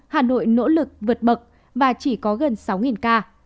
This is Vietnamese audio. hà nội nỗ lực vượt bậc và chỉ có gần sáu ca